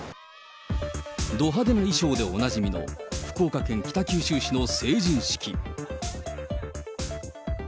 ド派手な衣装でおなじみの、福岡県北九州市の成人式。